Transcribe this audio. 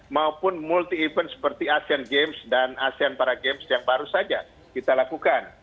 maupun multi event seperti asean games dan asean para games yang baru saja kita lakukan